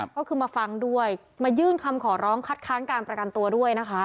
ก็คือมาฟังด้วยมายื่นคำขอร้องคัดค้านการประกันตัวด้วยนะคะ